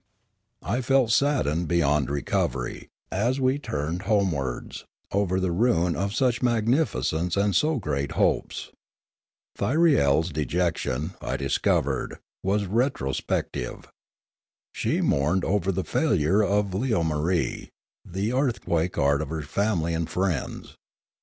I felt saddened beyond recovery, as we turned home wards, over the ruin of such magnificence and so great hopes. Thyriel's dejection, I discovered, was retro spective. She mourned over the failure of Leomarie, the earthquake art of her family and friends.